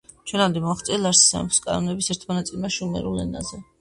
ჩვენამდე მოაღწია ლარსის სამეფოს კანონების ერთმა ნაწილმა შუმერულ ენაზე.